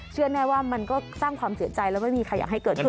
แน่ว่ามันก็สร้างความเสียใจแล้วไม่มีใครอยากให้เกิดขึ้น